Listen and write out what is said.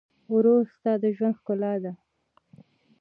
ورور ستا د ژوند ښکلا ده.